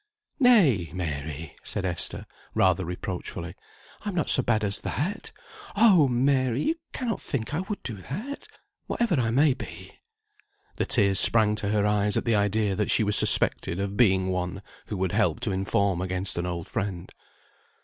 "Nay, Mary," said Esther, rather reproachfully, "I am not so bad as that. Oh! Mary, you cannot think I would do that, whatever I may be." The tears sprang to her eyes at the idea that she was suspected of being one who would help to inform against an old friend.